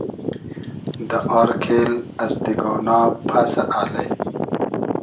دۂ آر کېل از دیگۉنا پئسۂ الݷ